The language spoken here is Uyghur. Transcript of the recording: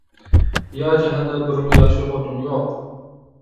يا جاھاندا بىرمۇ ياخشى خوتۇن يوق.